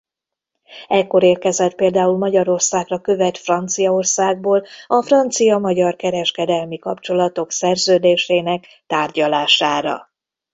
Ekkor érkezett például Magyarországra követ Franciaországból a francia–magyar kereskedelmi kapcsolatok szerződésének tárgyalására.